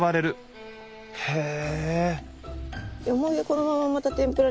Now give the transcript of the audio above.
へえ！